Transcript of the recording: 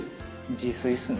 自炊っすね。